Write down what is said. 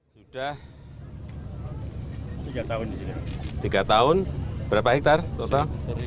sudah tiga tahun berapa hektar total